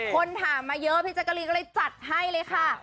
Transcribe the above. คนถามมาเยอะพี่แจ๊กกะรีนก็เลยจัดให้เลยค่ะ